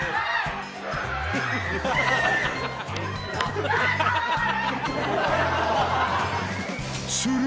ハハハハ！